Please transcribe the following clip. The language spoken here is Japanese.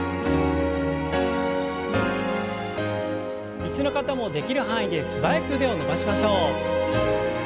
椅子の方もできる範囲で素早く腕を伸ばしましょう。